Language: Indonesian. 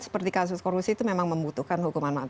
seperti kasus korupsi itu memang membutuhkan hukuman mati